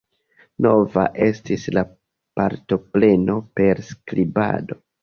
Nova estis la partopreno per skribado.